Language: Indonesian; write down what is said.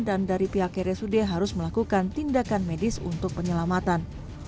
dan dari pihak resude harus melakukan tindakan medis untuk penyelamatan